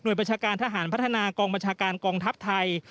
โดยประชาการทหารพัฒนากองบัญชาการกองทัพไทย